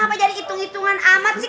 apa jadi hitung hitungan amat sih